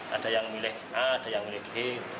ada yang milih a ada yang milih b